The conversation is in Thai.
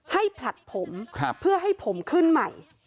ผลัดผมเพื่อให้ผมขึ้นใหม่